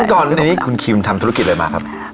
ก่อนนี้คุณคิมทำธุรกิจอะไรมาครับ